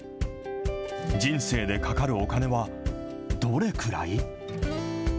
人生でかかるお金はどれくらい。